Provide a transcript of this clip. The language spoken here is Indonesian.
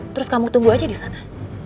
terus kamu tunggu aja di sana